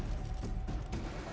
perjalanan menuju surabaya